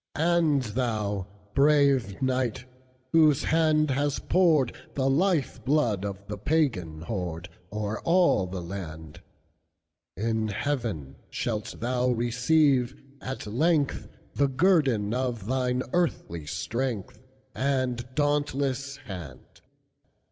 "And thou, brave knight, whose hand has pouredThe life blood of the Pagan hordeO'er all the land, In heaven shalt thou receive, at length, The guerdon of thine earthly strengthAnd dauntless hand.